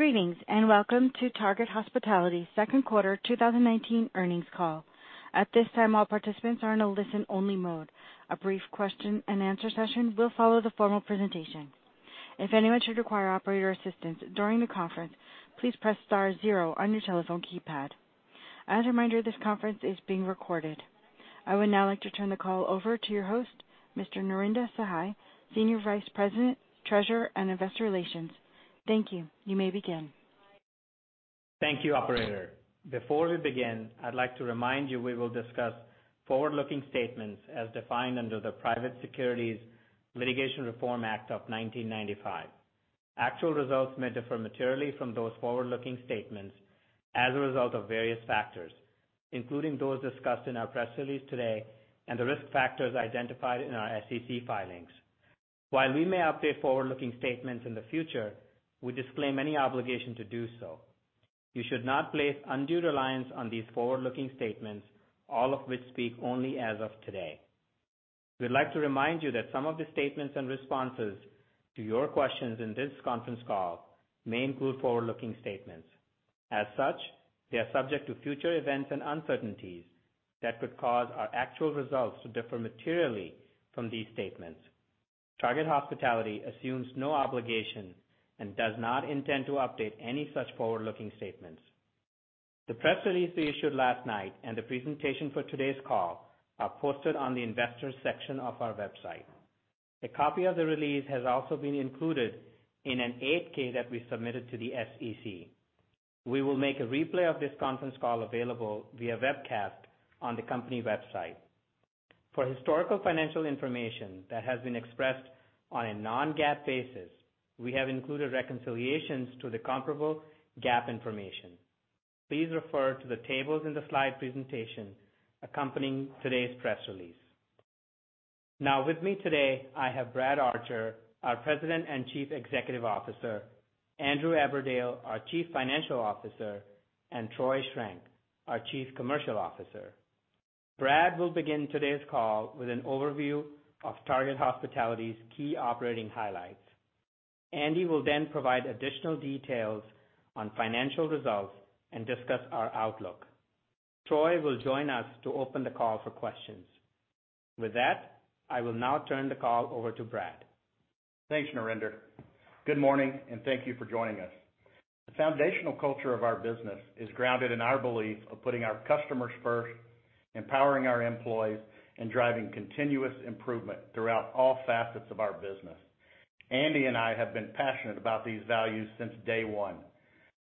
Greetings, and welcome to Target Hospitality Second Quarter 2019 Earnings Call. At this time, all participants are in a listen-only mode. A brief question and answer session will follow the formal presentation. If anyone should require operator assistance during the conference, please press star zero on your telephone keypad. As a reminder, this conference is being recorded. I would now like to turn the call over to your host, Mr. Narinder Sahai, Senior Vice President, Treasurer, and Investor Relations. Thank you. You may begin. Thank you, operator. Before we begin, I'd like to remind you we will discuss forward-looking statements as defined under the Private Securities Litigation Reform Act of 1995. Actual results may differ materially from those forward-looking statements as a result of various factors, including those discussed in our press release today and the risk factors identified in our SEC filings. While we may update forward-looking statements in the future, we disclaim any obligation to do so. You should not place undue reliance on these forward-looking statements, all of which speak only as of today. We'd like to remind you that some of the statements and responses to your questions in this conference call may include forward-looking statements. As such, they are subject to future events and uncertainties that could cause our actual results to differ materially from these statements. Target Hospitality assumes no obligation and does not intend to update any such forward-looking statements. The press release we issued last night and the presentation for today's call are posted on the investors section of our website. A copy of the release has also been included in an 8-K that we submitted to the SEC. We will make a replay of this conference call available via webcast on the company website. For historical financial information that has been expressed on a non-GAAP basis, we have included reconciliations to the comparable GAAP information. Please refer to the tables in the slide presentation accompanying today's press release. Now, with me today, I have Brad Archer, our President and Chief Executive Officer, Andrew Aberdale, our Chief Financial Officer, and Troy Schrenk, our Chief Commercial Officer. Brad will begin today's call with an overview of Target Hospitality's key operating highlights. Andy will provide additional details on financial results and discuss our outlook. Troy will join us to open the call for questions. With that, I will now turn the call over to Brad. Thanks, Narinder. Good morning, and thank you for joining us. The foundational culture of our business is grounded in our belief of putting our customers first, empowering our employees, and driving continuous improvement throughout all facets of our business. Andy and I have been passionate about these values since day one.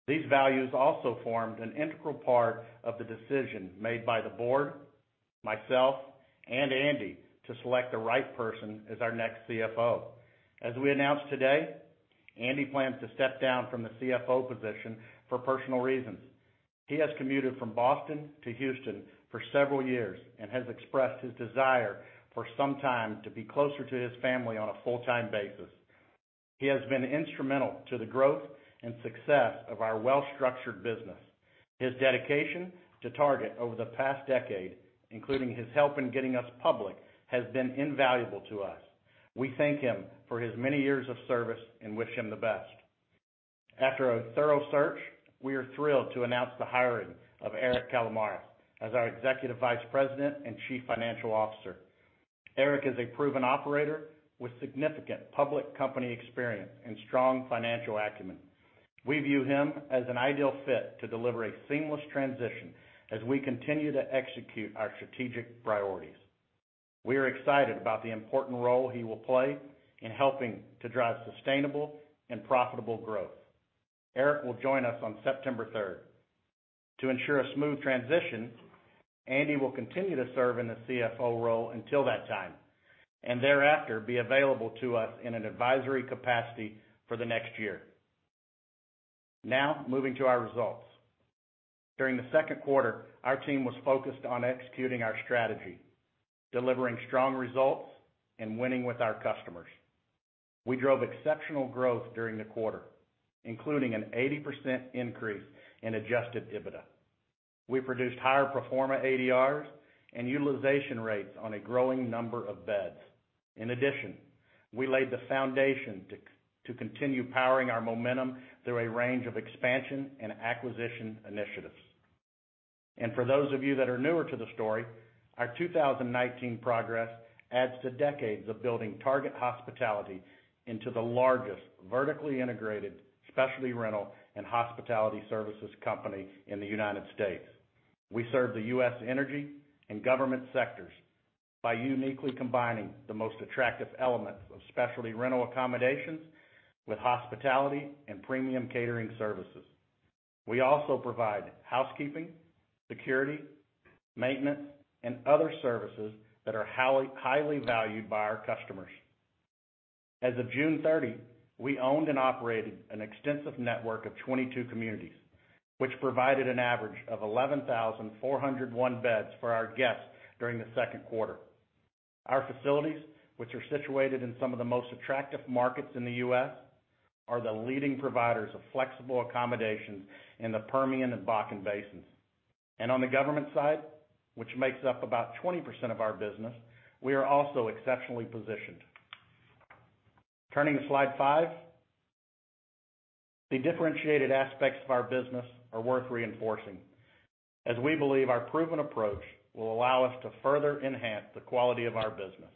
These values also formed an integral part of the decision made by the board, myself, and Andy to select the right person as our next CFO. As we announced today, Andy plans to step down from the CFO position for personal reasons. He has commuted from Boston to Houston for several years and has expressed his desire for some time to be closer to his family on a full-time basis. He has been instrumental to the growth and success of our well-structured business. His dedication to Target over the past decade, including his help in getting us public, has been invaluable to us. We thank him for his many years of service and wish him the best. After a thorough search, we are thrilled to announce the hiring of Eric Kalamaras as our Executive Vice President and Chief Financial Officer. Eric is a proven operator with significant public company experience and strong financial acumen. We view him as an ideal fit to deliver a seamless transition as we continue to execute our strategic priorities. We are excited about the important role he will play in helping to drive sustainable and profitable growth. Eric will join us on September third. To ensure a smooth transition, Andy will continue to serve in the CFO role until that time, and thereafter, be available to us in an advisory capacity for the next year. Moving to our results. During the second quarter, our team was focused on executing our strategy, delivering strong results, and winning with our customers. We drove exceptional growth during the quarter, including an 80% increase in adjusted EBITDA. We produced higher performance ADRs and utilization rates on a growing number of beds. We laid the foundation to continue powering our momentum through a range of expansion and acquisition initiatives. For those of you that are newer to the story, our 2019 progress adds to decades of building Target Hospitality into the largest vertically integrated specialty rental and hospitality services company in the U.S. We serve the U.S. energy and government sectors by uniquely combining the most attractive elements of specialty rental accommodations with hospitality and premium catering services. We also provide housekeeping, security, maintenance, and other services that are highly valued by our customers. As of June 30, we owned and operated an extensive network of 22 communities, which provided an average of 11,401 beds for our guests during the second quarter. Our facilities, which are situated in some of the most attractive markets in the U.S., are the leading providers of flexible accommodations in the Permian and Bakken basins. On the government side, which makes up about 20% of our business, we are also exceptionally positioned. Turning to slide five. The differentiated aspects of our business are worth reinforcing, as we believe our proven approach will allow us to further enhance the quality of our business.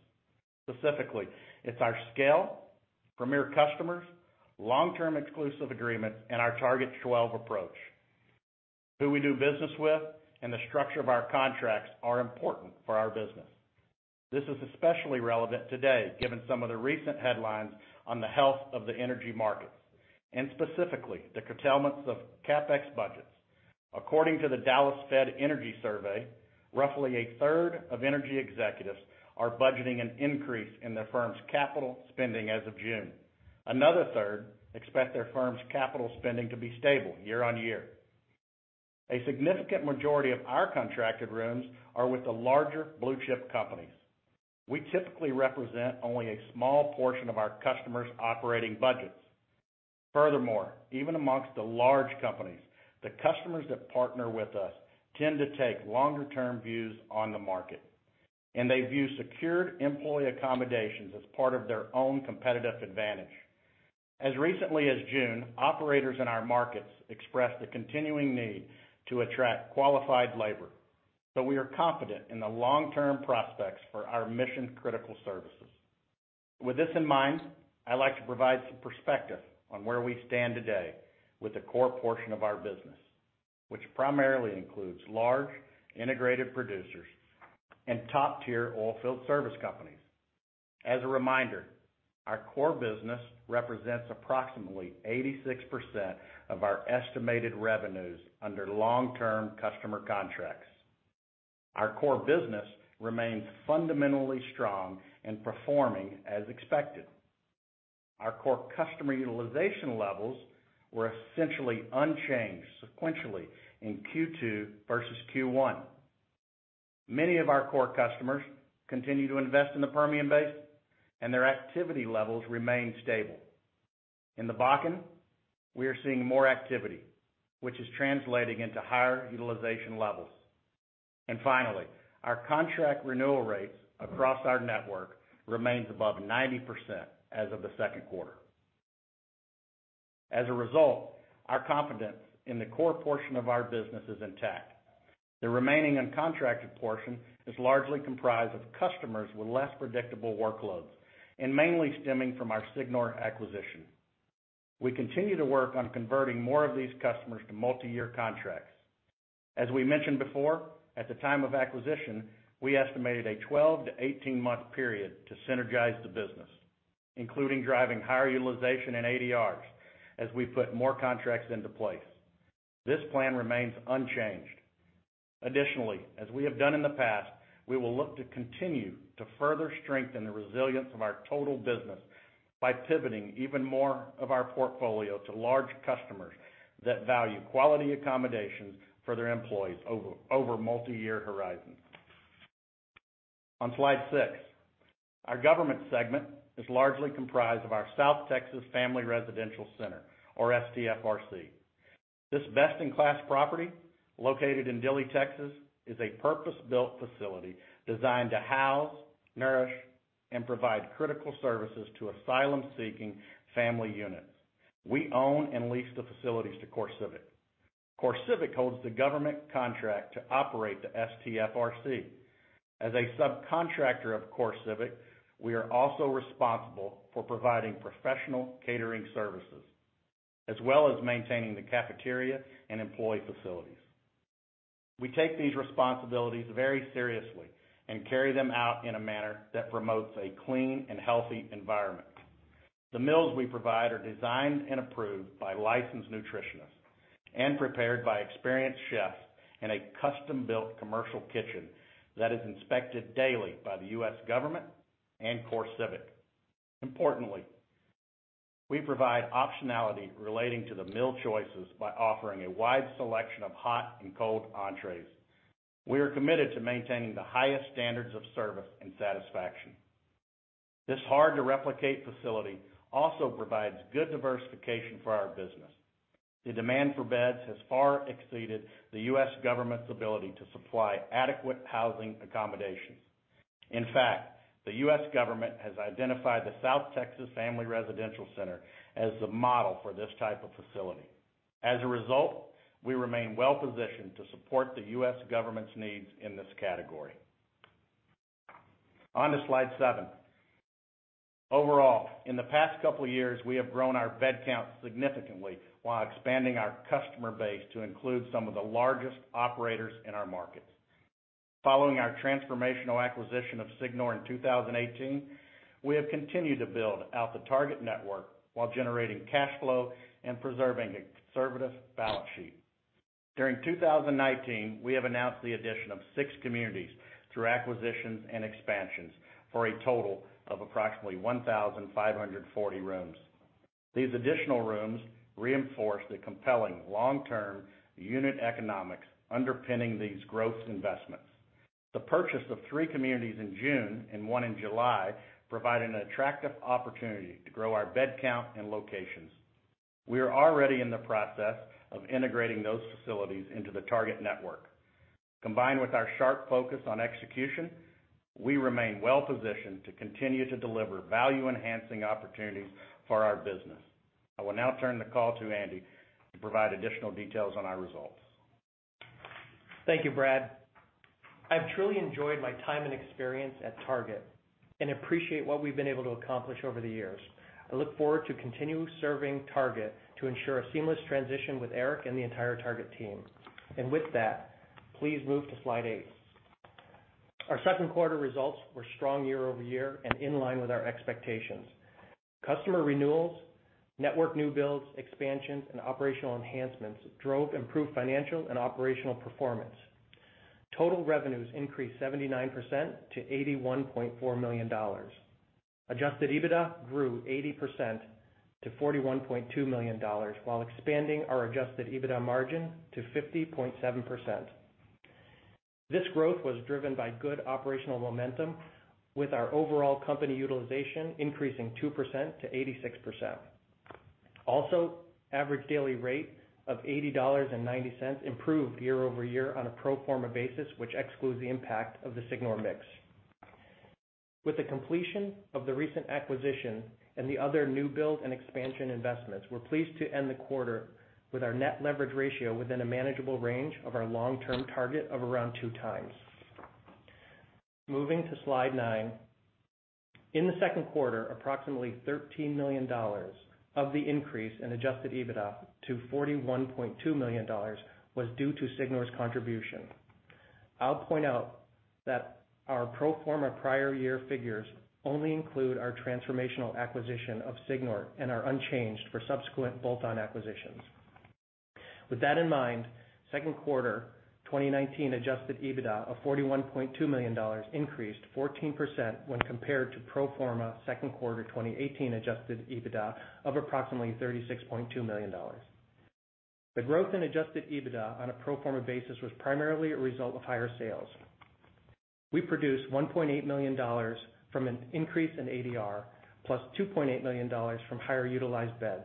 Specifically, it's our scale, premier customers, long-term exclusive agreements, and our Target 12 approach. Who we do business with and the structure of our contracts are important for our business. This is especially relevant today, given some of the recent headlines on the health of the energy markets, and specifically, the curtailments of CapEx budgets. According to the Dallas Fed Energy Survey, roughly a third of energy executives are budgeting an increase in their firm's capital spending as of June. Another third expect their firm's capital spending to be stable year on year. A significant majority of our contracted rooms are with the larger blue-chip companies. We typically represent only a small portion of our customers' operating budgets. Furthermore, even amongst the large companies, the customers that partner with us tend to take longer-term views on the market, and they view secured employee accommodations as part of their own competitive advantage. As recently as June, operators in our markets expressed the continuing need to attract qualified labor, so we are confident in the long-term prospects for our mission-critical services. With this in mind, I'd like to provide some perspective on where we stand today with the core portion of our business, which primarily includes large integrated producers and top-tier oilfield service companies. As a reminder, our core business represents approximately 86% of our estimated revenues under long-term customer contracts. Our core business remains fundamentally strong and performing as expected. Our core customer utilization levels were essentially unchanged sequentially in Q2 versus Q1. Many of our core customers continue to invest in the Permian Basin, and their activity levels remain stable. In the Bakken, we are seeing more activity, which is translating into higher utilization levels. Finally, our contract renewal rates across our network remains above 90% as of the second quarter. As a result, our confidence in the core portion of our business is intact. The remaining uncontracted portion is largely comprised of customers with less predictable workloads and mainly stemming from our Signor acquisition. We continue to work on converting more of these customers to multi-year contracts. As we mentioned before, at the time of acquisition, we estimated a 12 to 18-month period to synergize the business, including driving higher utilization in ADRs as we put more contracts into place. This plan remains unchanged. As we have done in the past, we will look to continue to further strengthen the resilience of our total business by pivoting even more of our portfolio to large customers that value quality accommodations for their employees over multi-year horizons. On slide six. Our government segment is largely comprised of our South Texas Family Residential Center, or STFRC. This best-in-class property, located in Dilley, Texas, is a purpose-built facility designed to house, nourish, and provide critical services to asylum-seeking family units. We own and lease the facilities to CoreCivic. CoreCivic holds the government contract to operate the STFRC. As a subcontractor of CoreCivic, we are also responsible for providing professional catering services, as well as maintaining the cafeteria and employee facilities. We take these responsibilities very seriously and carry them out in a manner that promotes a clean and healthy environment. The meals we provide are designed and approved by licensed nutritionists and prepared by experienced chefs in a custom-built commercial kitchen that is inspected daily by the U.S. government and CoreCivic. Importantly, we provide optionality relating to the meal choices by offering a wide selection of hot and cold entrees. We are committed to maintaining the highest standards of service and satisfaction. This hard-to-replicate facility also provides good diversification for our business. The demand for beds has far exceeded the U.S. government's ability to supply adequate housing accommodations. In fact, the U.S. government has identified the South Texas Family Residential Center as the model for this type of facility. We remain well-positioned to support the U.S. government's needs in this category. On to slide seven. In the past couple of years, we have grown our bed count significantly while expanding our customer base to include some of the largest operators in our markets. Following our transformational acquisition of Signor in 2018, we have continued to build out the target network while generating cash flow and preserving a conservative balance sheet. During 2019, we have announced the addition of six communities through acquisitions and expansions for a total of approximately 1,540 rooms. These additional rooms reinforce the compelling long-term unit economics underpinning these growth investments. The purchase of three communities in June and one in July provide an attractive opportunity to grow our bed count and locations. We are already in the process of integrating those facilities into the Target network. Combined with our sharp focus on execution, we remain well-positioned to continue to deliver value-enhancing opportunities for our business. I will now turn the call to Andy to provide additional details on our results. Thank you, Brad. I've truly enjoyed my time and experience at Target and appreciate what we've been able to accomplish over the years. I look forward to continuing serving Target to ensure a seamless transition with Eric and the entire Target team. With that, please move to slide eight. Our second quarter results were strong year-over-year and in line with our expectations. Customer renewals, network new builds, expansions, and operational enhancements drove improved financial and operational performance. Total revenues increased 79% to $81.4 million. Adjusted EBITDA grew 80% to $41.2 million while expanding our Adjusted EBITDA margin to 50.7%. This growth was driven by good operational momentum with our overall company utilization increasing 2% to 86%. Also, average daily rate of $80.90 improved year-over-year on a pro forma basis, which excludes the impact of the Signor mix. With the completion of the recent acquisition and the other new build and expansion investments, we're pleased to end the quarter with our net leverage ratio within a manageable range of our long-term target of around two times. Moving to slide nine. In the second quarter, approximately $13 million of the increase in adjusted EBITDA to $41.2 million was due to Signor's contribution. I'll point out that our pro forma prior year figures only include our transformational acquisition of Signor and are unchanged for subsequent bolt-on acquisitions. With that in mind, second quarter 2019 adjusted EBITDA of $41.2 million increased 14% when compared to pro forma second quarter 2018 adjusted EBITDA of approximately $36.2 million. The growth in adjusted EBITDA on a pro forma basis was primarily a result of higher sales. We produced $1.8 million from an increase in ADR plus $2.8 million from higher utilized beds.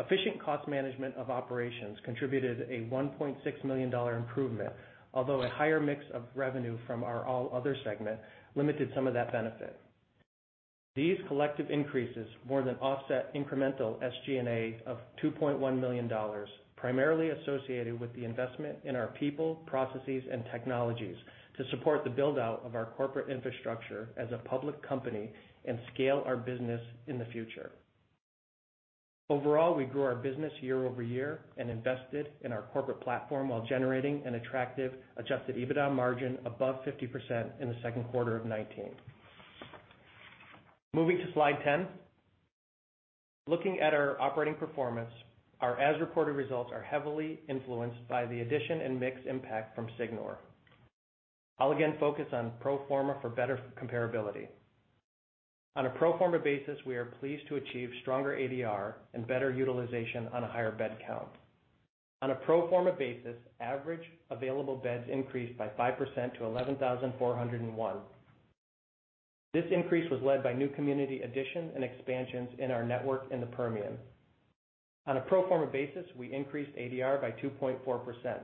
Efficient cost management of operations contributed a $1.6 million improvement, although a higher mix of revenue from our all other segment limited some of that benefit. These collective increases more than offset incremental SG&A of $2.1 million, primarily associated with the investment in our people, processes, and technologies to support the build-out of our corporate infrastructure as a public company and scale our business in the future. Overall, we grew our business year-over-year and invested in our corporate platform while generating an attractive adjusted EBITDA margin above 50% in the second quarter of 2019. Moving to slide 10. Looking at our operating performance, our as-reported results are heavily influenced by the addition and mix impact from Signor. I'll again focus on pro forma for better comparability. On a pro forma basis, we are pleased to achieve stronger ADR and better utilization on a higher bed count. On a pro forma basis, average available beds increased by 5% to 11,401. This increase was led by new community additions and expansions in our network in the Permian. On a pro forma basis, we increased ADR by 2.4%.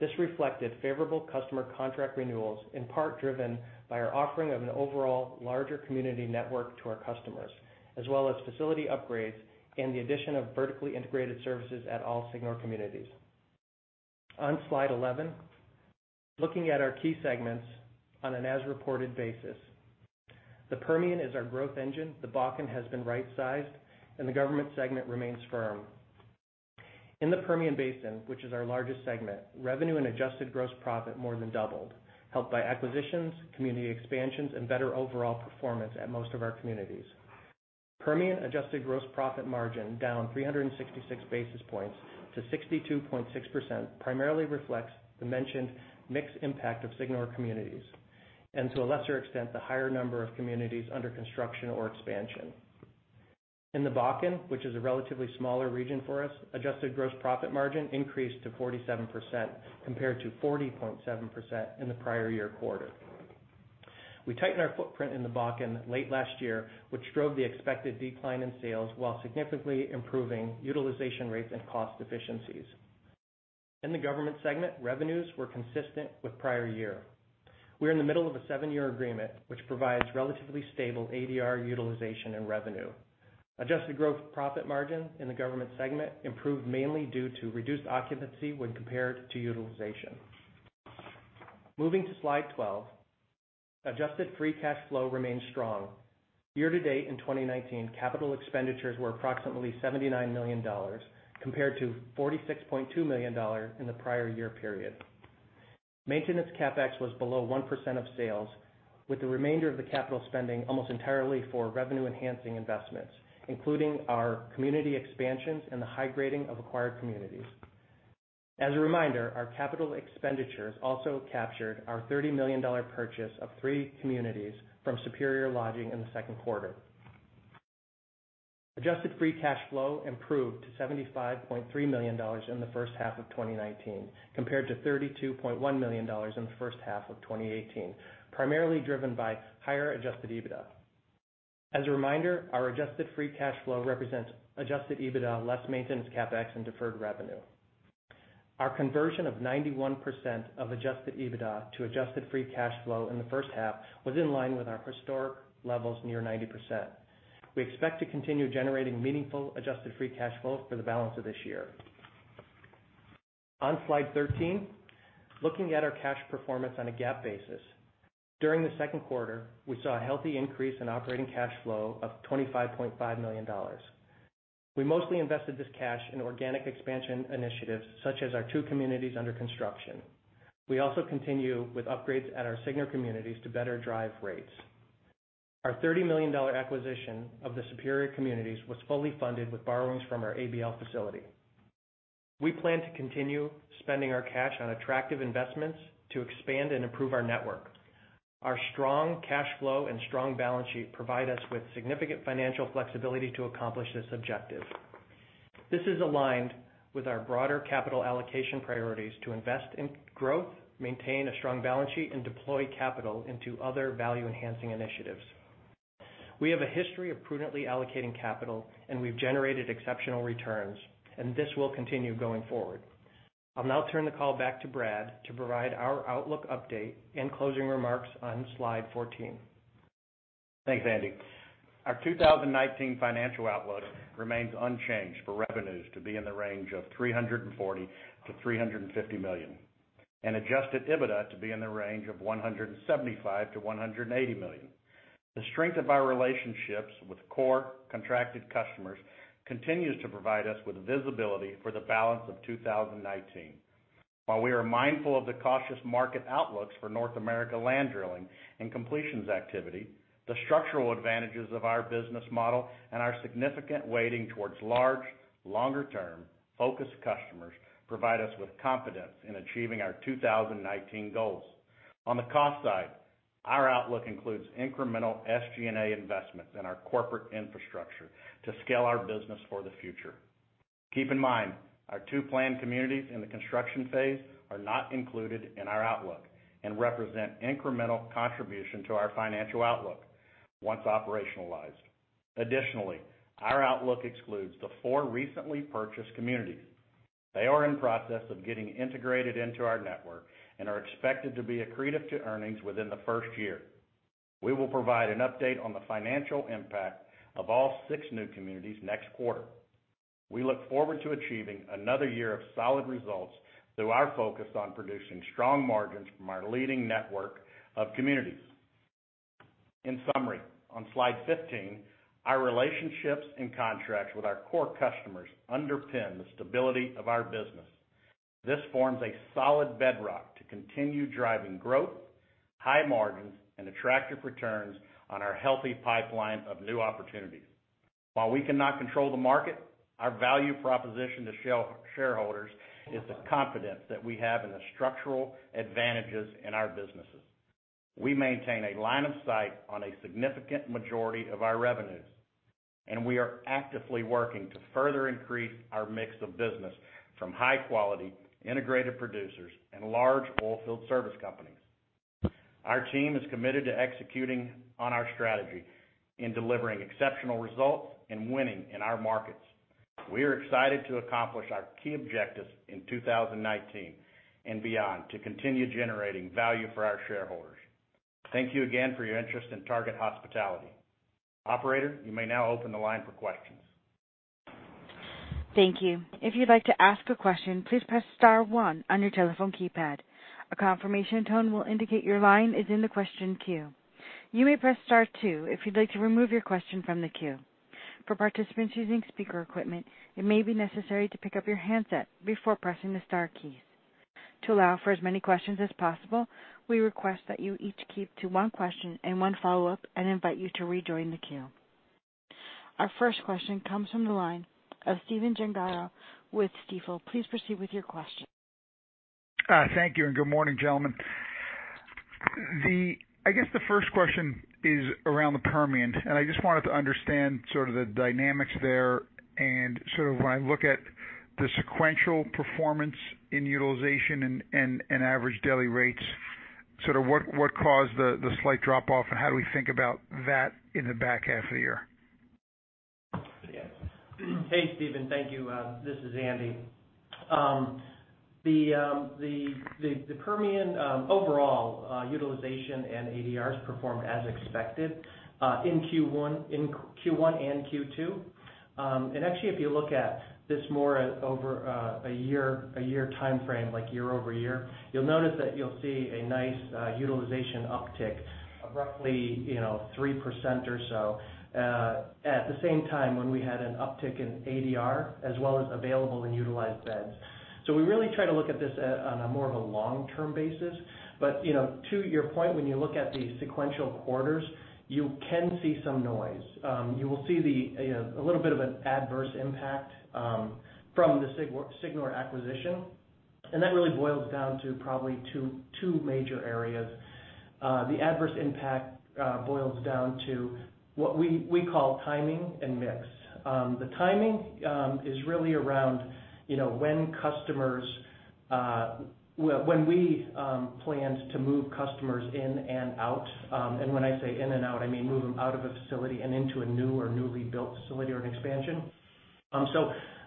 This reflected favorable customer contract renewals, in part driven by our offering of an overall larger community network to our customers, as well as facility upgrades and the addition of vertically integrated services at all Signor communities. On slide 11, looking at our key segments on an as-reported basis. The Permian is our growth engine. The Bakken has been right-sized, and the government segment remains firm. In the Permian Basin, which is our largest segment, revenue and adjusted gross profit more than doubled, helped by acquisitions, community expansions, and better overall performance at most of our communities. Permian adjusted gross profit margin down 366 basis points to 62.6%, primarily reflects the mentioned mix impact of Signor communities, and to a lesser extent, the higher number of communities under construction or expansion. In the Bakken, which is a relatively smaller region for us, adjusted gross profit margin increased to 47% compared to 40.7% in the prior year quarter. We tightened our footprint in the Bakken late last year, which drove the expected decline in sales while significantly improving utilization rates and cost efficiencies. In the government segment, revenues were consistent with prior year. We're in the middle of a 7-year agreement, which provides relatively stable ADR utilization and revenue. Adjusted gross profit margin in the government segment improved mainly due to reduced occupancy when compared to utilization. Moving to slide 12. Adjusted free cash flow remains strong. Year to date in 2019, capital expenditures were approximately $79 million compared to $46.2 million in the prior year period. Maintenance CapEx was below 1% of sales, with the remainder of the capital spending almost entirely for revenue-enhancing investments, including our community expansions and the high grading of acquired communities. As a reminder, our capital expenditures also captured our $30 million purchase of three communities from Superior Lodging in the second quarter. Adjusted free cash flow improved to $75.3 million in the first half of 2019 compared to $32.1 million in the first half of 2018, primarily driven by higher adjusted EBITDA. As a reminder, our adjusted free cash flow represents adjusted EBITDA, less maintenance CapEx and deferred revenue. Our conversion of 91% of adjusted EBITDA to adjusted free cash flow in the first half was in line with our historic levels near 90%. We expect to continue generating meaningful adjusted free cash flow for the balance of this year. On slide 13, looking at our cash performance on a GAAP basis. During the second quarter, we saw a healthy increase in operating cash flow of $25.5 million. We mostly invested this cash in organic expansion initiatives such as our two communities under construction. We also continue with upgrades at our Signor communities to better drive rates. Our $30 million acquisition of the Superior communities was fully funded with borrowings from our ABL facility. We plan to continue spending our cash on attractive investments to expand and improve our network. Our strong cash flow and strong balance sheet provide us with significant financial flexibility to accomplish this objective. This is aligned with our broader capital allocation priorities to invest in growth, maintain a strong balance sheet, and deploy capital into other value-enhancing initiatives. We have a history of prudently allocating capital, and we've generated exceptional returns, and this will continue going forward. I'll now turn the call back to Brad to provide our outlook update and closing remarks on slide 14. Thanks, Andy. Our 2019 financial outlook remains unchanged for revenues to be in the range of $340 million-$350 million, and adjusted EBITDA to be in the range of $175 million-$180 million. The strength of our relationships with core contracted customers continues to provide us with visibility for the balance of 2019. While we are mindful of the cautious market outlooks for North America land drilling and completions activity, the structural advantages of our business model and our significant weighting towards large, longer term, focused customers provide us with confidence in achieving our 2019 goals. On the cost side, our outlook includes incremental SG&A investments in our corporate infrastructure to scale our business for the future. Keep in mind, our two planned communities in the construction phase are not included in our outlook and represent incremental contribution to our financial outlook once operationalized. Additionally, our outlook excludes the four recently purchased communities. They are in process of getting integrated into our network and are expected to be accretive to earnings within the first year. We will provide an update on the financial impact of all six new communities next quarter. We look forward to achieving another year of solid results through our focus on producing strong margins from our leading network of communities. In summary, on slide 15, our relationships and contracts with our core customers underpin the stability of our business. This forms a solid bedrock to continue driving growth, high margins, and attractive returns on our healthy pipeline of new opportunities. While we cannot control the market, our value proposition to shareholders is the confidence that we have in the structural advantages in our businesses. We maintain a line of sight on a significant majority of our revenues, and we are actively working to further increase our mix of business from high quality, integrated producers and large oil field service companies. Our team is committed to executing on our strategy in delivering exceptional results and winning in our markets. We are excited to accomplish our key objectives in 2019 and beyond to continue generating value for our shareholders. Thank you again for your interest in Target Hospitality. Operator, you may now open the line for questions. Thank you. If you'd like to ask a question, please press star one on your telephone keypad. A confirmation tone will indicate your line is in the question queue. You may press star two if you'd like to remove your question from the queue. For participants using speaker equipment, it may be necessary to pick up your handset before pressing the star keys. To allow for as many questions as possible, we request that you each keep to one question and one follow-up, and invite you to rejoin the queue. Our first question comes from the line of Stephen Gengaro with Stifel. Please proceed with your question. Thank you. Good morning, gentlemen. I guess the first question is around the Permian. I just wanted to understand sort of the dynamics there and sort of when I look at the sequential performance in utilization and average daily rates, sort of what caused the slight drop-off and how do we think about that in the back half of the year? Hey, Stephen. Thank you. This is Andy. The Permian overall utilization and ADRs performed as expected in Q1 and Q2. Actually, if you look at this more over a year timeframe, like year-over-year, you'll notice that you'll see a nice utilization uptick of roughly 3% or so, at the same time when we had an uptick in ADR, as well as available and utilized beds. We really try to look at this on a more of a long-term basis. To your point, when you look at the sequential quarters, you can see some noise. You will see a little bit of an adverse impact from the Signor acquisition, that really boils down to probably two major areas. The adverse impact boils down to what we call timing and mix. The timing is really around when we planned to move customers in and out. When I say in and out, I mean move them out of a facility and into a new or newly built facility or an expansion.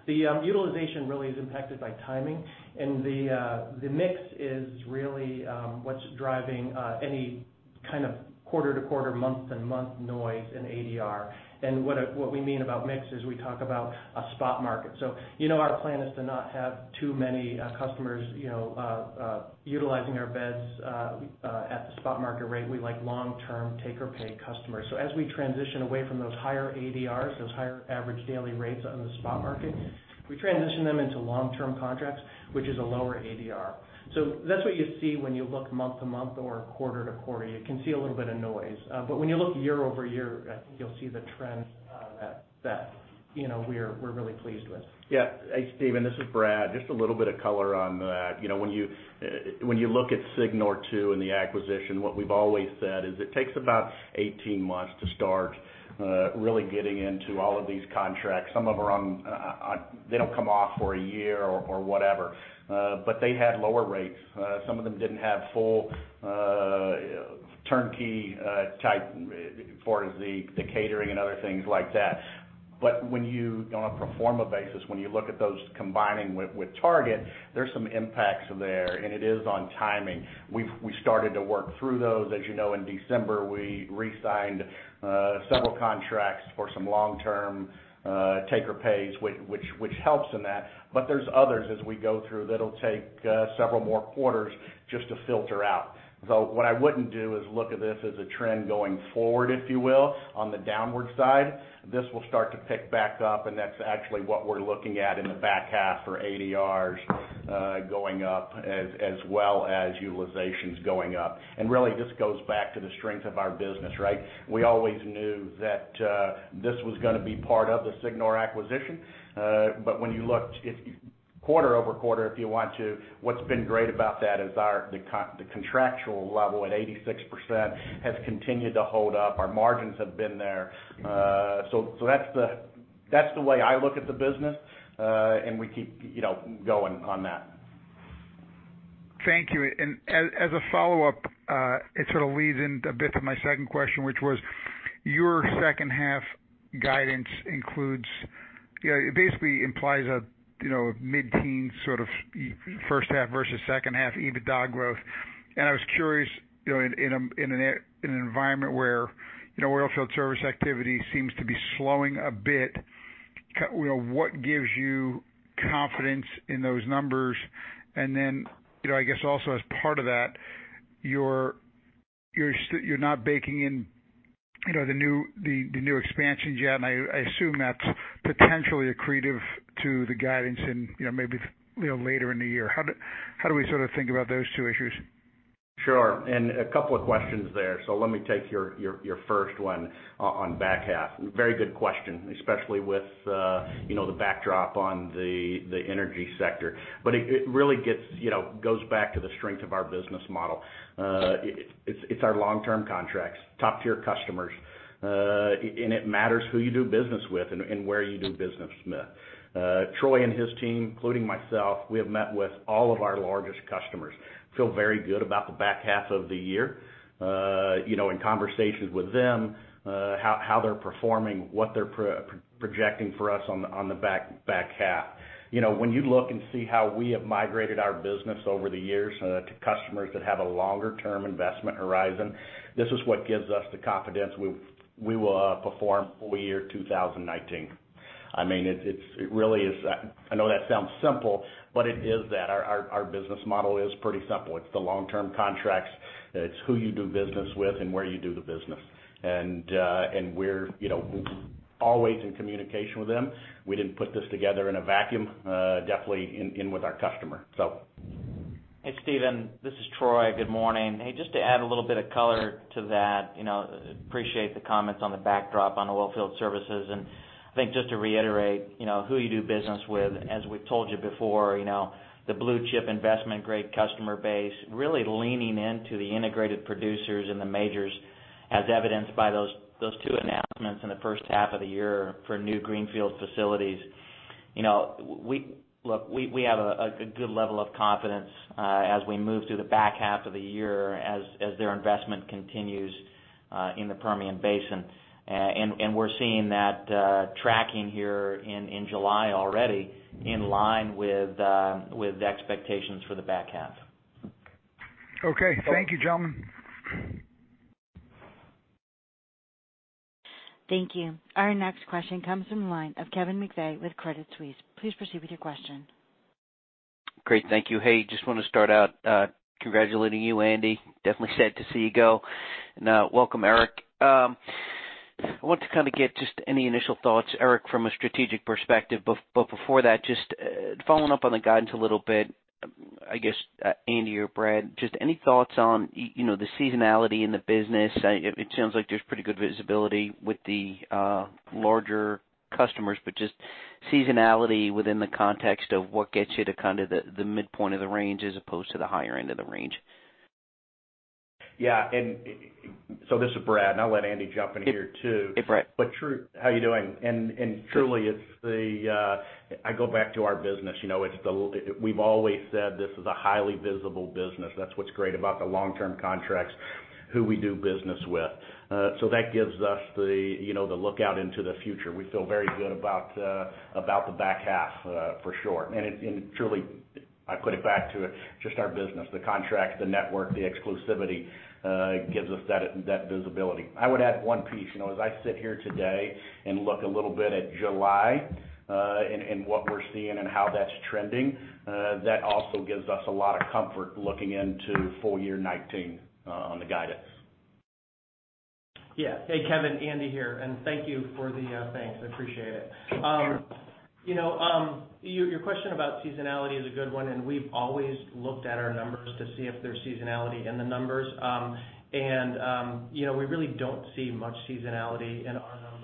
The utilization really is impacted by timing, and the mix is really what's driving any kind of quarter-to-quarter, month-to-month noise in ADR. What we mean about mix is we talk about a spot market. Our plan is to not have too many customers utilizing our beds at the spot market rate. We like long-term take-or-pay customers. As we transition away from those higher ADRs, those higher average daily rates on the spot market, we transition them into long-term contracts, which is a lower ADR. That's what you see when you look month to month or quarter to quarter. You can see a little bit of noise. When you look year-over-year, I think you'll see the trends that we're really pleased with. Yeah. Hey, Stephen, this is Brad. Just a little bit of color on that. When you look at Signor II and the acquisition, what we've always said is it takes about 18 months to start really getting into all of these contracts. Some of them don't come off for a year or whatever. They had lower rates. Some of them didn't have full turnkey type as far as the catering and other things like that. On a pro forma basis, when you look at those combining with Target, there's some impacts there, and it is on timing. We've started to work through those. As you know, in December, we resigned several contracts for some long-term take-or-pays, which helps in that. There's others as we go through that'll take several more quarters just to filter out. What I wouldn't do is look at this as a trend going forward, if you will, on the downward side. This will start to pick back up, and that's actually what we're looking at in the back half for ADRs going up as well as utilizations going up. Really, this goes back to the strength of our business, right. We always knew that this was going to be part of the Signor acquisition. When you look quarter-over-quarter, if you want to, what's been great about that is the contractual level at 86% has continued to hold up. Our margins have been there. That's the way I look at the business. We keep going on that. Thank you. As a follow-up, it sort of leads in a bit to my second question, which was, your second half guidance basically implies a mid-teen sort of first half versus second half EBITDA growth. I was curious, in an environment where oilfield service activity seems to be slowing a bit, what gives you confidence in those numbers? I guess also as part of that, you're not baking in the new expansions yet, and I assume that's potentially accretive to the guidance in maybe later in the year. How do we sort of think about those two issues? Sure. A couple of questions there. Let me take your first one on the back half. Very good question, especially with the backdrop on the energy sector. It really goes back to the strength of our business model. It's our long-term contracts, top-tier customers, and it matters who you do business with and where you do business with. Troy and his team, including myself, we have met with all of our largest customers. Feel very good about the back half of the year, in conversations with them, how they're performing, what they're projecting for us on the back half. When you look and see how we have migrated our business over the years to customers that have a longer-term investment horizon, this is what gives us the confidence we will perform full year 2019. I know that sounds simple, it is that. Our business model is pretty simple. It's the long-term contracts. It's who you do business with and where you do the business. We're always in communication with them. We didn't put this together in a vacuum, definitely in with our customer. Hey, Stephen, this is Troy. Good morning. Hey, just to add a little bit of color to that, appreciate the comments on the backdrop on the oilfield services. I think just to reiterate, who you do business with, as we've told you before, the blue-chip investment grade customer base really leaning into the integrated producers and the majors as evidenced by those two announcements in the first half of the year for new greenfield facilities. Look, we have a good level of confidence as we move through the back half of the year as their investment continues in the Permian Basin. We're seeing that tracking here in July already in line with expectations for the back half. Okay. Thank you, gentlemen. Thank you. Our next question comes from the line of Kevin McVeigh with Credit Suisse. Please proceed with your question. Great. Thank you. Hey, just want to start out congratulating you, Andy. Definitely sad to see you go. Welcome, Eric. I want to kind of get just any initial thoughts, Eric, from a strategic perspective. Before that, just following up on the guidance a little bit, I guess, Andy or Brad, just any thoughts on the seasonality in the business? It sounds like there's pretty good visibility with the larger customers, but just seasonality within the context of what gets you to kind of the midpoint of the range as opposed to the higher end of the range. Yeah. This is Brad, and I'll let Andy jump in here, too. Hey, Brad. How are you doing? Truly, I go back to our business. We've always said this is a highly visible business. That's what's great about the long-term contracts who we do business with. That gives us the lookout into the future. We feel very good about the back half, for sure. Truly, I put it back to just our business, the contracts, the network, the exclusivity gives us that visibility. I would add one piece. As I sit here today and look a little bit at July and what we're seeing and how that's trending, that also gives us a lot of comfort looking into full year 2019, on the guidance. Yeah. Hey, Kevin, Andy here, and thank you for the thanks. I appreciate it. Sure. Your question about seasonality is a good one. We've always looked at our numbers to see if there's seasonality in the numbers. We really don't see much seasonality in our numbers.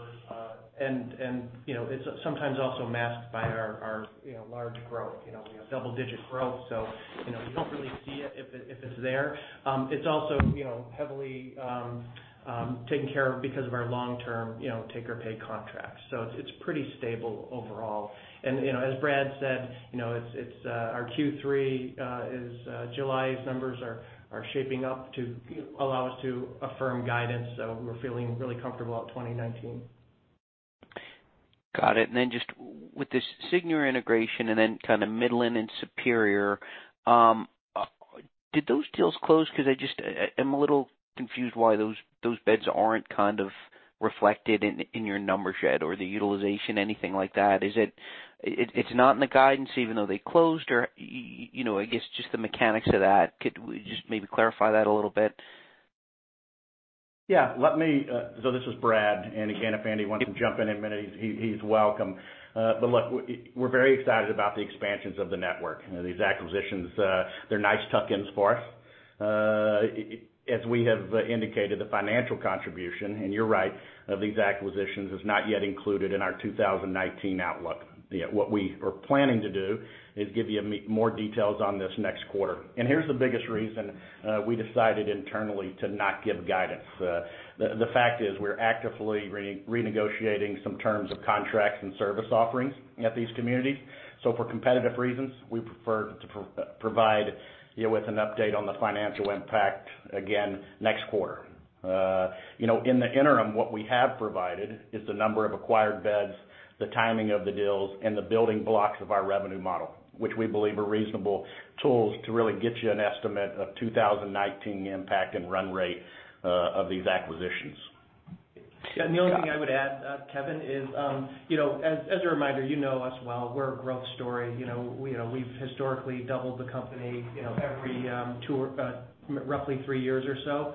It's sometimes also masked by our large growth. We have double-digit growth, so you don't really see it if it's there. It's also heavily taken care of because of our long-term take-or-pay contracts. It's pretty stable overall. As Brad said, our Q3 is, July's numbers are shaping up to allow us to affirm guidance. We're feeling really comfortable about 2019. Got it. Just with this Signor integration and then kind of Midland and Superior, did those deals close? I'm a little confused why those beds aren't kind of reflected in your numbers yet, or the utilization, anything like that. It's not in the guidance even though they closed. I guess just the mechanics of that. Could you just maybe clarify that a little bit? This is Brad. Again, if Andy wants to jump in at any minute, he's welcome. Look, we're very excited about the expansions of the network. These acquisitions, they're nice tuck-ins for us. As we have indicated, the financial contribution, and you're right, of these acquisitions is not yet included in our 2019 outlook. What we are planning to do is give you more details on this next quarter. Here's the biggest reason we decided internally to not give guidance. The fact is, we're actively renegotiating some terms of contracts and service offerings at these communities. For competitive reasons, we prefer to provide you with an update on the financial impact again next quarter. In the interim, what we have provided is the number of acquired beds, the timing of the deals, and the building blocks of our revenue model, which we believe are reasonable tools to really get you an estimate of 2019 impact and run rate of these acquisitions. The only thing I would add, Kevin, is, as a reminder, you know us well. We've historically doubled the company every roughly three years or so.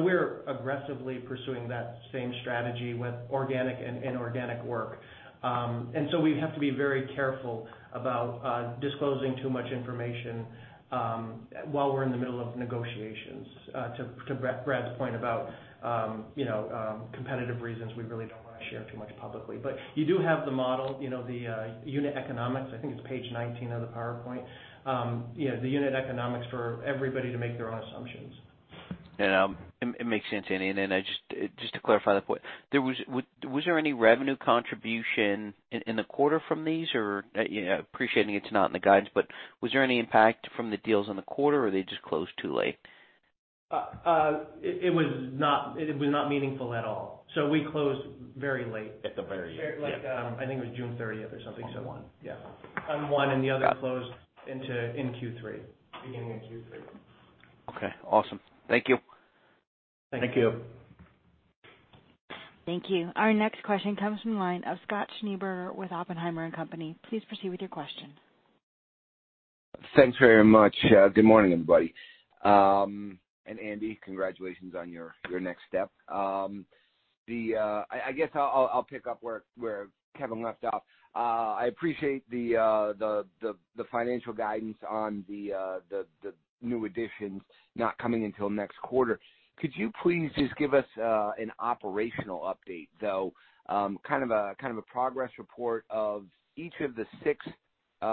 We're aggressively pursuing that same strategy with organic and inorganic work. We have to be very careful about disclosing too much information while we're in the middle of negotiations. To Brad's point about competitive reasons, we really don't want to share too much publicly. You do have the model, the unit economics, I think it's page 19 of the PowerPoint. The unit economics for everybody to make their own assumptions. It makes sense, Andy. Then just to clarify that point, was there any revenue contribution in the quarter from these? Appreciating it's not in the guidance, but was there any impact from the deals in the quarter, or are they just closed too late? It was not meaningful at all. We closed very late. At the very end, yeah. I think it was June 30th or something. 21. Yeah. On one, and the other. Got it. closed in Q3, beginning of Q3. Okay, awesome. Thank you. Thank you. Thank you. Thank you. Our next question comes from the line of Scott Schneeberger with Oppenheimer and Company. Please proceed with your question. Thanks very much. Good morning, everybody. Andy, congratulations on your next step. I guess I'll pick up where Kevin left off. I appreciate the financial guidance on the new additions not coming until next quarter. Could you please just give us an operational update, though? Kind of a progress report of each of the six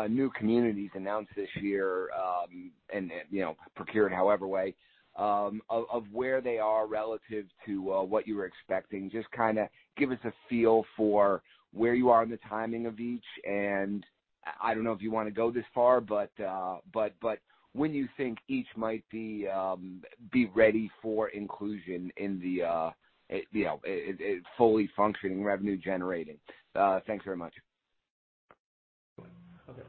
new communities announced this year, and procured however way, of where they are relative to what you were expecting. Just kind of give us a feel for where you are in the timing of each and, I don't know if you want to go this far, but when you think each might be ready for inclusion in the fully functioning revenue generating. Thanks very much. Okay.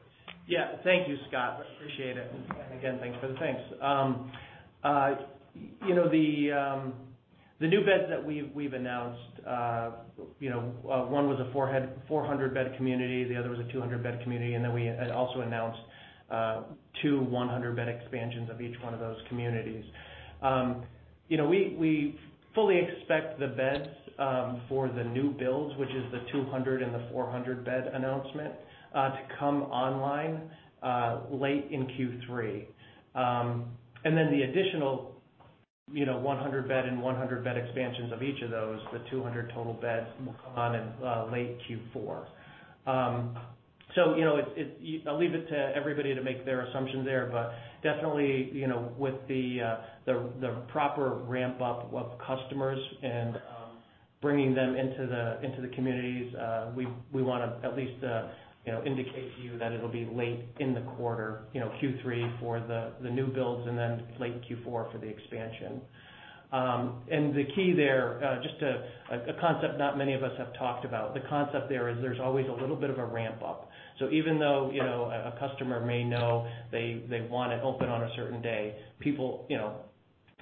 Thank you, Scott. Appreciate it. Again, thanks for the thanks. The new beds that we've announced, one was a 400-bed community, the other was a 200-bed community, and then we also announced two 100-bed expansions of each one of those communities. We fully expect the beds for the new builds, which is the 200 and the 400-bed announcement, to come online late in Q3. Then the additional 100-bed and 100-bed expansions of each of those, the 200 total beds, will come on in late Q4. I'll leave it to everybody to make their assumptions there, but definitely, with the proper ramp-up of customers and bringing them into the communities, we wanna at least indicate to you that it'll be late in the quarter, Q3 for the new builds and then late Q4 for the expansion. The key there, just a concept not many of us have talked about. The concept there is there's always a little bit of a ramp-up. Even though a customer may know they want to open on a certain day,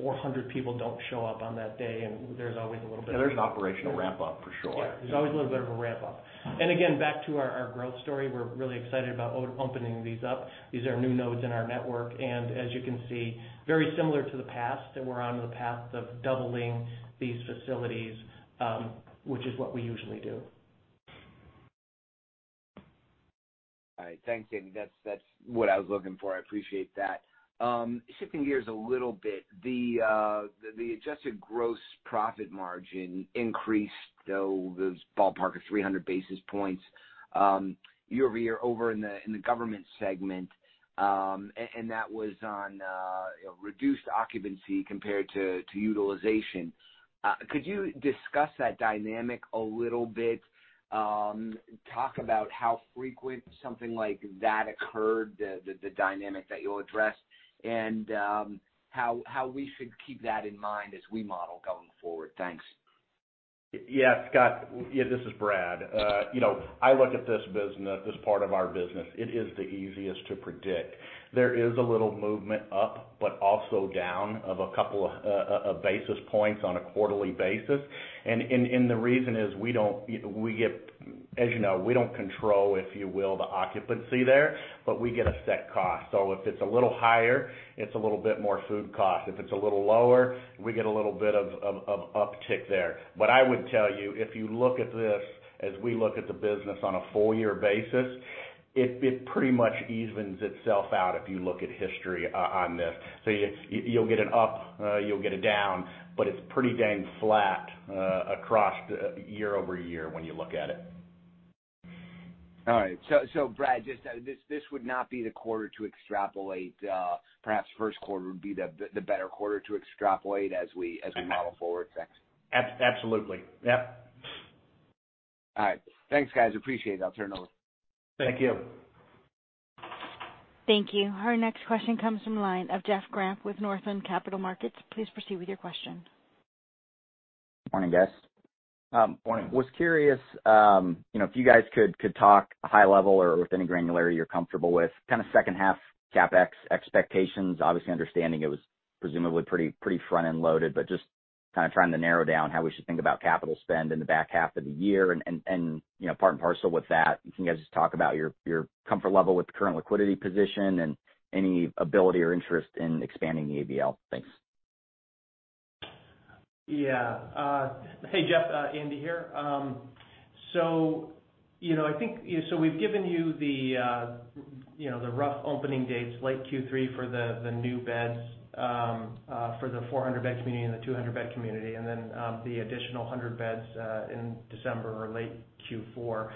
400 people don't show up on that day. There's an operational ramp-up, for sure. Yeah. There's always a little bit of a ramp-up. Again, back to our growth story, we're really excited about opening these up. These are new nodes in our network, as you can see, very similar to the past, that we're onto the path of doubling these facilities, which is what we usually do. All right. Thanks, Andy. That's what I was looking for. I appreciate that. Shifting gears a little bit, the adjusted gross profit margin increased, though it was a ballpark of 300 basis points year-over-year over in the government segment, and that was on reduced occupancy compared to utilization. Could you discuss that dynamic a little bit? Talk about how frequent something like that occurred, the dynamic that you addressed, and how we should keep that in mind as we model going forward. Thanks. Scott. Yeah, this is Brad. I look at this business, this part of our business, it is the easiest to predict. There is a little movement up, but also down of a couple of basis points on a quarterly basis. The reason is, as you know, we don't control, if you will, the occupancy there, but we get a set cost. If it's a little higher, it's a little bit more food cost. If it's a little lower, we get a little bit of uptick there. I would tell you, if you look at this as we look at the business on a full-year basis, it pretty much evens itself out if you look at history on this. You'll get an up, you'll get a down, but it's pretty dang flat across year-over-year when you look at it. All right. Brad, this would not be the quarter to extrapolate. Perhaps first quarter would be the better quarter to extrapolate as we model forward. Thanks. Absolutely. Yep. All right. Thanks, guys. Appreciate it. I'll turn it over. Thank you. Thank you. Our next question comes from the line of Jeff Grant with Northland Capital Markets. Please proceed with your question. Morning, guys. Morning. Was curious if you guys could talk high level or with any granularity you're comfortable with, kind of second half CapEx expectations, obviously understanding it was presumably pretty front-end loaded, but just kind of trying to narrow down how we should think about capital spend in the back half of the year. Part and parcel with that, can you guys just talk about your comfort level with the current liquidity position and any ability or interest in expanding the ABL? Thanks. Yeah. Hey, Jeff. Andy here. We've given you the rough opening dates, late Q3 for the new beds, for the 400-bed community and the 200-bed community, then the additional 100 beds in December or late Q4.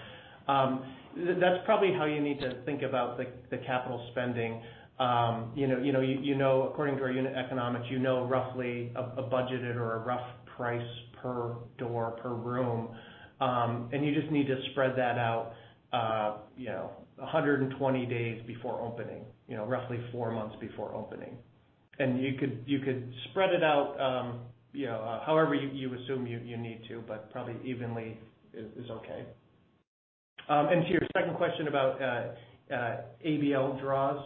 That's probably how you need to think about the capital spending. According to our unit economics, you know roughly a budgeted or a rough price per door, per room. You just need to spread that out 120 days before opening, roughly four months before opening. You could spread it out however you assume you need to, but probably evenly is okay. To your second question about ABL draws.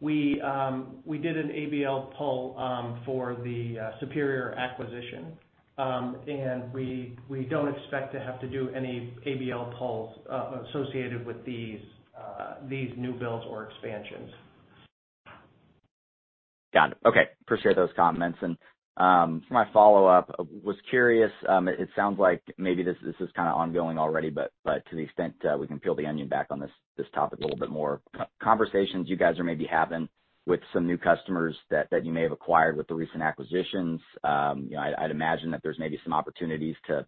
We did an ABL pull for the Superior acquisition, and we don't expect to have to do any ABL pulls associated with these new builds or expansions. Got it. Okay. Appreciate those comments. For my follow-up, I was curious, it sounds like maybe this is kind of ongoing already, but to the extent we can peel the onion back on this topic a little bit more. Conversations you guys are maybe having with some new customers that you may have acquired with the recent acquisitions. I'd imagine that there's maybe some opportunities to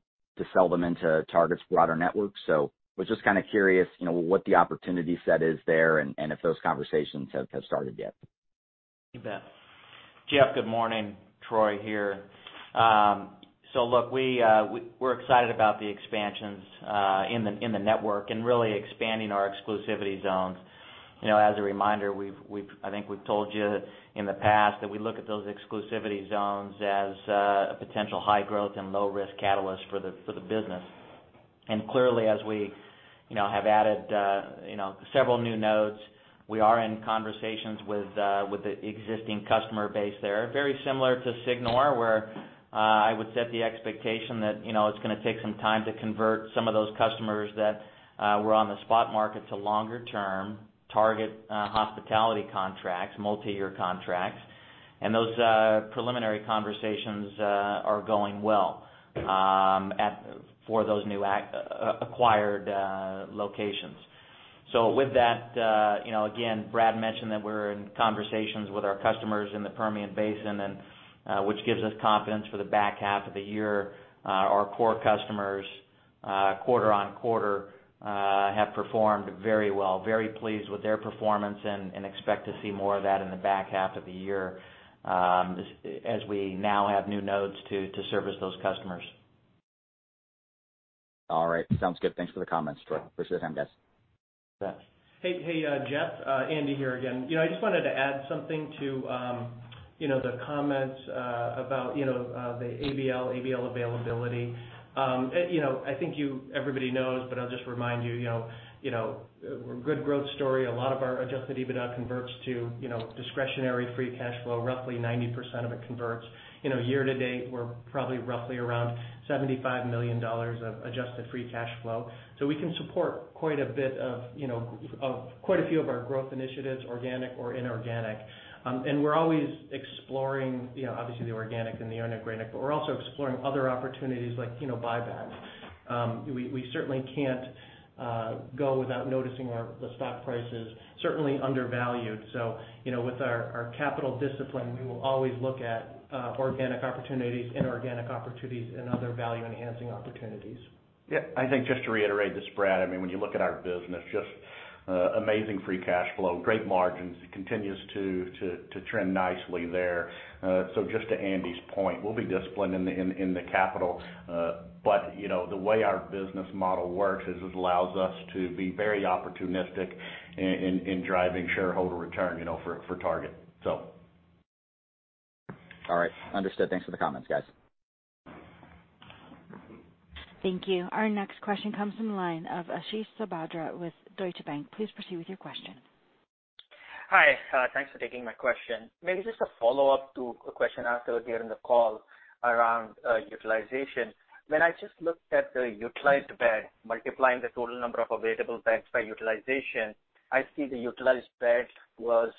sell them into Target's broader network. I was just kind of curious, what the opportunity set is there and if those conversations have started yet. You bet. Jeff, good morning. Troy here. Look, we're excited about the expansions in the network and really expanding our exclusivity zones. As a reminder, I think we've told you in the past that we look at those exclusivity zones as a potential high growth and low risk catalyst for the business. Clearly, as we have added several new nodes, we are in conversations with the existing customer base there. Very similar to Signor, where I would set the expectation that it's going to take some time to convert some of those customers that were on the spot market to longer-term Target Hospitality contracts, multi-year contracts. Those preliminary conversations are going well for those new acquired locations. With that, again, Brad mentioned that we're in conversations with our customers in the Permian Basin, and which gives us confidence for the back half of the year. Our core customers quarter-on-quarter have performed very well. Very pleased with their performance and expect to see more of that in the back half of the year as we now have new nodes to service those customers. All right. Sounds good. Thanks for the comments, Troy. Appreciate the time, guys. You bet. Hey, Jeff. Andy here again. I just wanted to add something to the comments about the ABL availability. I think everybody knows, but I'll just remind you, good growth story. A lot of our adjusted EBITDA converts to discretionary free cash flow, roughly 90% of it converts. Year to date, we're probably roughly around $75 million of adjusted free cash flow. We can support quite a few of our growth initiatives, organic or inorganic. We're always exploring, obviously, the organic and the inorganic, but we're also exploring other opportunities like buybacks. We certainly can't go without noticing our stock price is certainly undervalued. With our capital discipline, we will always look at organic opportunities, inorganic opportunities, and other value-enhancing opportunities. Yeah. I think just to reiterate this, Brad, when you look at our business, just amazing free cash flow, great margins. It continues to trend nicely there. Just to Andy's point, we'll be disciplined in the capital. The way our business model works is it allows us to be very opportunistic in driving shareholder return for Target. All right. Understood. Thanks for the comments, guys. Thank you. Our next question comes from the line of Ashish Sabadra with Deutsche Bank. Please proceed with your question. Hi. Thanks for taking my question. Maybe just a follow-up to a question asked earlier in the call around utilization. When I just looked at the utilized bed, multiplying the total number of available beds by utilization, I see the utilized bed was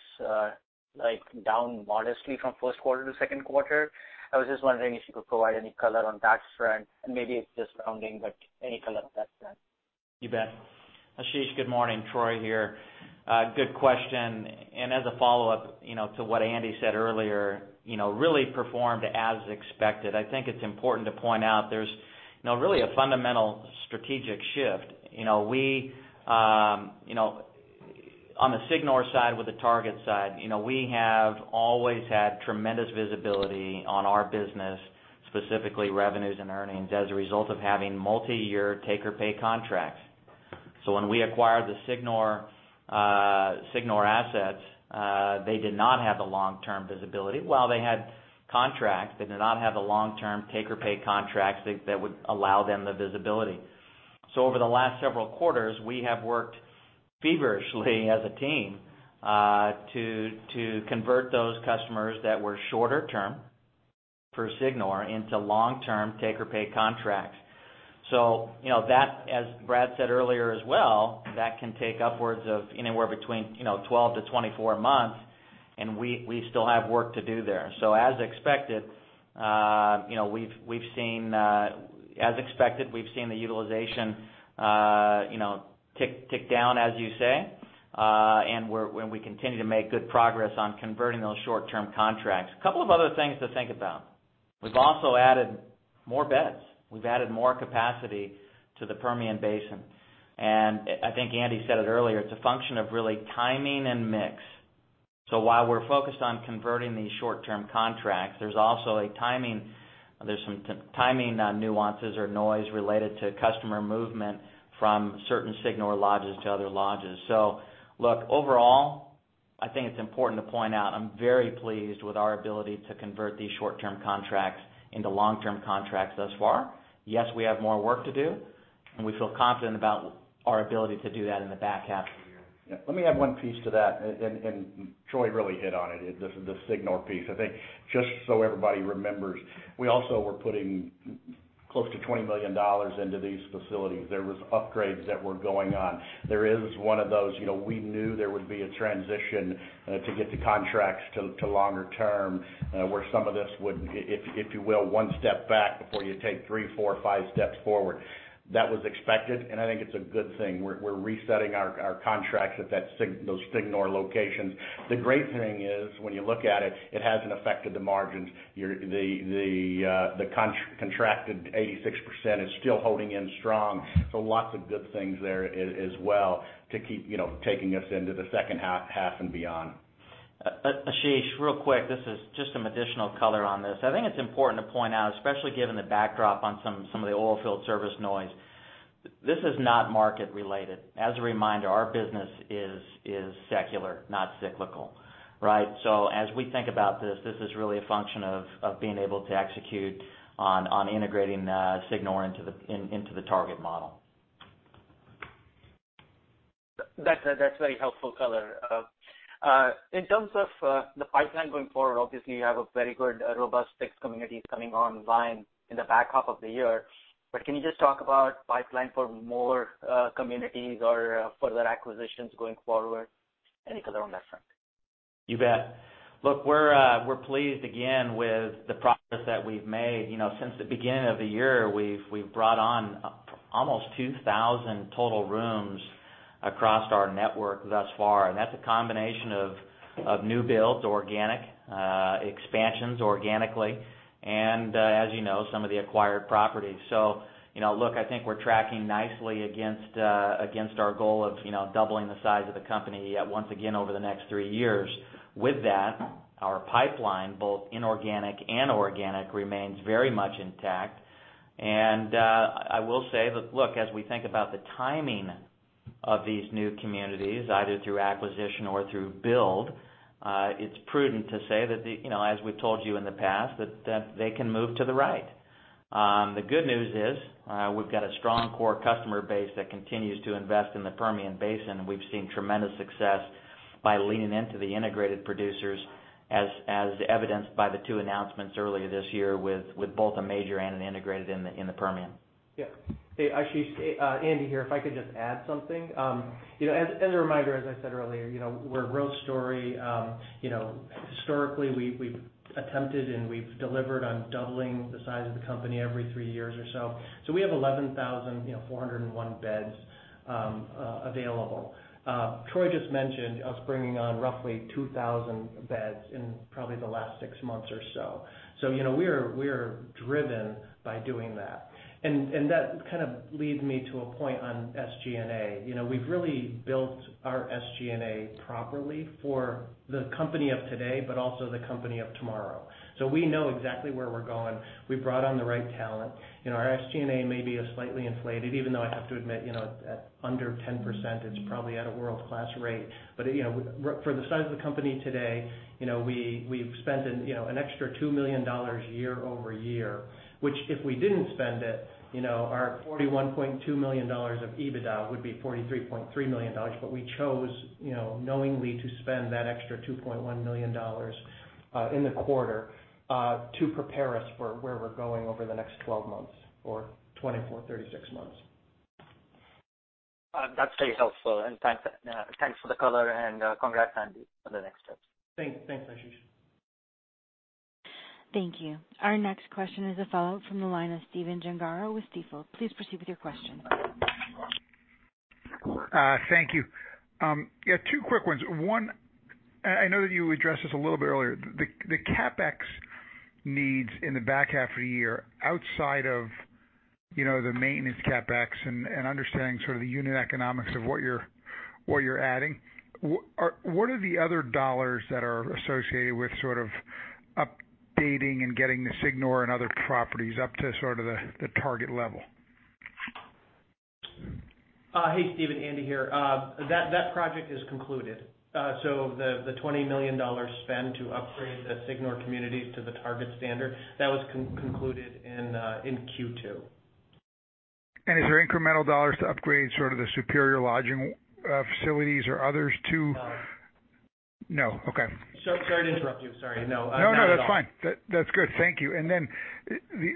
down modestly from first quarter to second quarter. I was just wondering if you could provide any color on that front, and maybe it's just rounding, but any color on that front. You bet. Ashish, good morning. Troy here. Good question. As a follow-up to what Andy said earlier, really performed as expected. I think it's important to point out there's really a fundamental strategic shift. On the Signor side with the Target side, we have always had tremendous visibility on our business, specifically revenues and earnings, as a result of having multi-year take-or-pay contracts. When we acquired the Signor assets, they did not have the long-term visibility. While they had contracts, they did not have the long-term take-or-pay contracts that would allow them the visibility. Over the last several quarters, we have worked feverishly as a team to convert those customers that were shorter term for Signor into long-term take-or-pay contracts. As Brad said earlier as well, that can take upwards of anywhere between 12 to 24 months, and we still have work to do there. As expected, we've seen the utilization tick down, as you say, and we continue to make good progress on converting those short-term contracts. Couple of other things to think about. We've also added more beds. We've added more capacity to the Permian Basin. I think Andy said it earlier, it's a function of really timing and mix. While we're focused on converting these short-term contracts, there's some timing nuances or noise related to customer movement from certain Signor lodges to other lodges. Look, overall, I think it's important to point out, I'm very pleased with our ability to convert these short-term contracts into long-term contracts thus far. Yes, we have more work to do, and we feel confident about our ability to do that in the back half of the year. Yeah. Let me add one piece to that, and Troy really hit on it, the Signor piece. I think just so everybody remembers, we also were putting close to $20 million into these facilities. There was upgrades that were going on. There is one of those, we knew there would be a transition to get the contracts to longer term, where some of this would, if you will, one step back before you take three, four, five steps forward. That was expected, and I think it's a good thing. We're resetting our contracts at those Signor locations. The great thing is when you look at it hasn't affected the margins. The contracted 86% is still holding in strong. Lots of good things there as well to keep taking us into the second half and beyond. Ashish, real quick, this is just some additional color on this. I think it's important to point out, especially given the backdrop on some of the oil field service noise, this is not market related. As a reminder, our business is secular, not cyclical. Right? As we think about this is really a function of being able to execute on integrating Signor into the Target model. That's very helpful color. In terms of the pipeline going forward, obviously, you have a very good robust fixed communities coming online in the back half of the year. Can you just talk about pipeline for more communities or further acquisitions going forward? Any color on that front. You bet. Look, we're pleased again with the progress that we've made. Since the beginning of the year, we've brought on almost 2,000 total rooms across our network thus far. That's a combination of new builds, organic expansions organically, and as you know, some of the acquired properties. Look, I think we're tracking nicely against our goal of doubling the size of the company once again over the next three years. With that, our pipeline, both inorganic and organic, remains very much intact. I will say, look, as we think about the timing of these new communities, either through acquisition or through build, it's prudent to say that, as we've told you in the past, that they can move to the right. The good news is, we've got a strong core customer base that continues to invest in the Permian Basin. We've seen tremendous success by leaning into the integrated producers, as evidenced by the two announcements earlier this year with both a major and an integrated in the Permian. Yeah. Hey, Ashish. Andy here. If I could just add something. As a reminder, as I said earlier, we're a growth story. Historically, we've attempted and we've delivered on doubling the size of the company every three years or so. We have 11,401 beds available. Troy just mentioned us bringing on roughly 2,000 beds in probably the last six months or so. We are driven by doing that. That kind of leads me to a point on SG&A. We've really built our SG&A properly for the company of today, but also the company of tomorrow. We know exactly where we're going. We've brought on the right talent. Our SG&A may be slightly inflated, even though I have to admit, at under 10%, it's probably at a world-class rate. For the size of the company today, we've spent an extra $2 million year-over-year, which, if we didn't spend it, our $41.2 million of EBITDA would be $43.3 million. We chose knowingly to spend that extra $2.1 million in the quarter, to prepare us for where we're going over the next 12 months or 24, 36 months. That's very helpful. Thanks for the color and congrats, Andy, on the next steps. Thanks, Ashish. Thank you. Our next question is a follow-up from the line of Stephen Gengaro with Stifel. Please proceed with your question. Thank you. Yeah, two quick ones. One, I know that you addressed this a little bit earlier. The CapEx needs in the back half of the year outside of the maintenance CapEx and understanding sort of the unit economics of what you're adding, what are the other dollars that are associated with sort of updating and getting the Signor and other properties up to sort of the Target level? Hey, Stephen, Andy here. That project is concluded. The $20 million spend to upgrade the Signor communities to the Target standard, that was concluded in Q2. Is there incremental dollars to upgrade sort of the Superior Lodging facilities or others, too? No. No. Okay. Sorry to interrupt you. Sorry. No, not at all. No, that's fine. That's good. Thank you.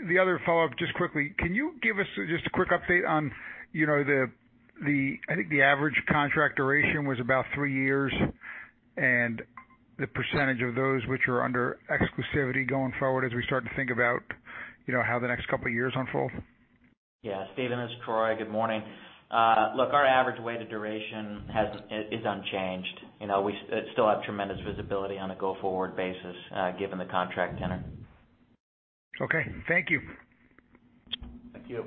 The other follow-up, just quickly, can you give us just a quick update on the average contract duration was about three years, and the percentage of those which are under exclusivity going forward as we start to think about how the next couple of years unfold? Yeah. Stephen, it's Troy. Good morning. Look, our average weighted duration is unchanged. We still have tremendous visibility on a go-forward basis, given the contract tenor. Okay, thank you. Thank you.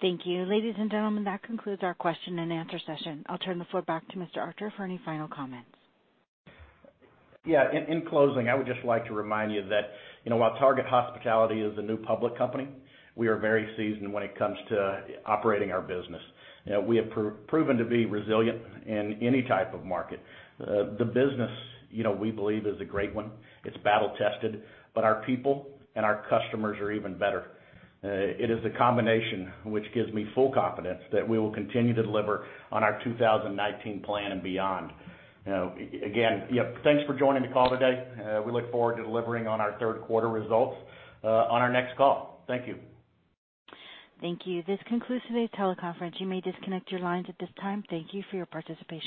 Thank you. Ladies and gentlemen, that concludes our question and answer session. I'll turn the floor back to Mr. Archer for any final comments. Yeah. In closing, I would just like to remind you that while Target Hospitality is a new public company, we are very seasoned when it comes to operating our business. We have proven to be resilient in any type of market. The business, we believe, is a great one. It's battle tested, but our people and our customers are even better. It is the combination which gives me full confidence that we will continue to deliver on our 2019 plan and beyond. Again, thanks for joining the call today. We look forward to delivering on our third quarter results on our next call. Thank you. Thank you. This concludes today's teleconference. You may disconnect your lines at this time. Thank you for your participation.